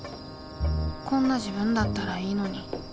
こんな自分だったらいいのに。